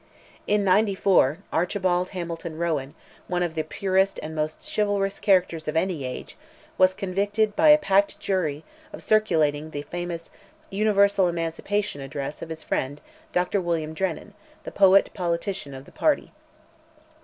In '94, Archibald Hamilton Rowan, one of the purest and most chivalrous characters of any age, was convicted, by a packed jury, of circulating the famous "Universal Emancipation" address of his friend, Dr. William Drennan, the poet politician of the party.